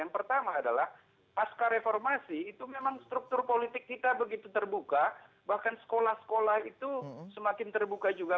yang pertama adalah pasca reformasi itu memang struktur politik kita begitu terbuka bahkan sekolah sekolah itu semakin terbuka juga